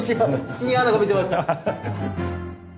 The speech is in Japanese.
チンアナゴ見てました。